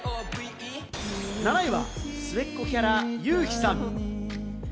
７位は末っ子キャラ、ユウヒさん。